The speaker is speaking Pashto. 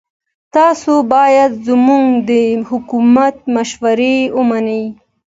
تاسو باید زموږ د حکومت مشورې ومنئ.